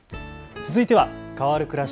続いては変わるくらし